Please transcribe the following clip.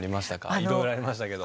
いろいろありましたけど。